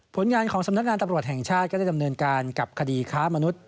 ผลงานของสำนักงานตำรวจแห่งชาติก็ได้ดำเนินการกับคดีค้ามนุษย